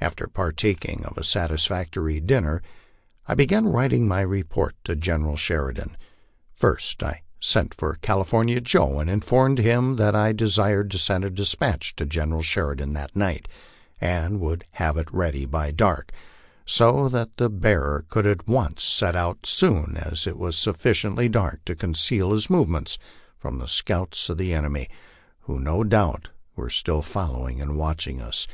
After partaking of a satisfactory dinner, I began writing my report to General Sheridan. First I sent for California Joe, and informed him that I desired to send a despatch to General Sheridan that night, and would have it ready by dark, so that the bearer could at once set out as soon as it was sufli ciently dark to conceal his movements from the scouts of the enemy, who no doubt were still following and watching us.